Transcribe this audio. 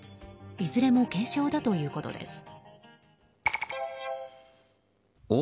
いずれも軽傷だということです。